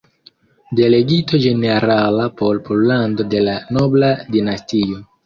Delegito Ĝenerala por Pollando de la "Nobla Dinastio.